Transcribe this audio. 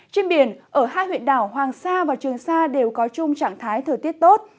trên biển ở hai huyện đảo hoàng sa và trường sa đều có chung trạng thái thời tiết tốt